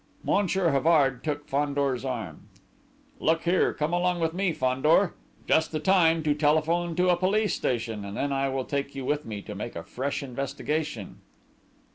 Monsieur Havard took Fandor's arm. "Look here, come along with me, Fandor? Just the time to telephone to a police station, and then I will take you with me to make a fresh investigation."